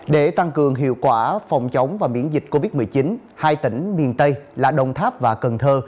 để tăng cường hiệu quả phòng chống và miễn dịch covid một mươi chín hai tỉnh miền tây là đồng tháp và cần thơ